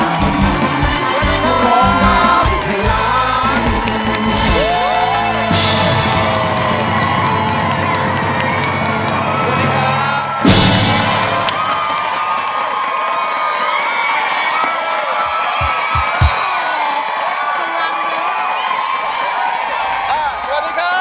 สวัสดีครับ